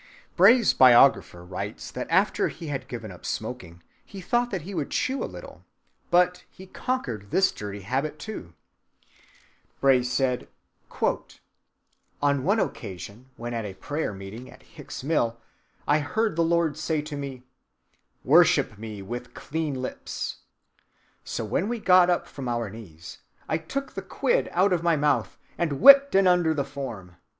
Bray's biographer writes that after he had given up smoking, he thought that he would chew a little, but he conquered this dirty habit, too. "On one occasion," Bray said, "when at a prayer‐ meeting at Hicks Mill, I heard the Lord say to me, 'Worship me with clean lips.' So, when we got up from our knees, I took the quid out of my mouth and 'whipped 'en' [threw it] under the form.